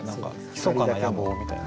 ひそかな野望みたいな。